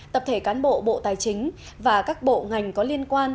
tập thể cán bộ bộ tài chính và các bộ ngành có liên quan